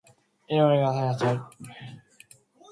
いつの間にか朝になってたり